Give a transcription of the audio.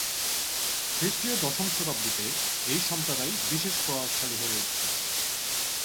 খ্রিস্টীয় দশম শতাব্দীতে এই সম্প্রদায় বিশেষ প্রভাবশালী হয়ে ওঠে।